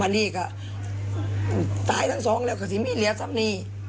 บรรณีศพก็ไปโรงงานแล้วตายทั้งสองแล้วเค้าสิมีเหลือสำนี